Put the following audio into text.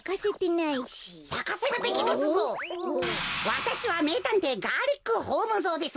わたしはめいたんていガーリックホームゾーです。